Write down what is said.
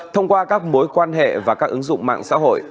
thông qua các mối quan hệ và các ứng dụng mạng xã hội